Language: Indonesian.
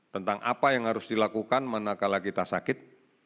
tentang apa yang harus dilakukan mana kala kita sakit